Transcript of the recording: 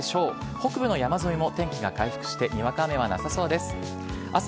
北部の山沿いも天気が回復してにわか雨はなさそうです。